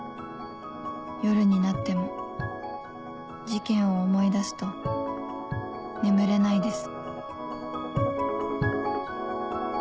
「夜になっても事件を思い出すと眠れないです」